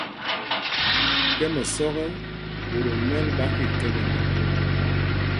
Tɛ́m ɛsɔ́k ɛ, ɓot o mɛ́l ɓá kikɛ nɛ mɛkō.